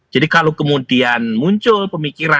jadi kalau kemudian muncul pemikiran